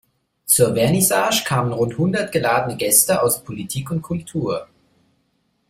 Zur Vernissage kamen rund hundert geladene Gäste aus Politik und Kultur.